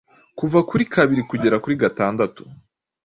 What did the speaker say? kuva kuri kabiri kugera kuri gatandatu.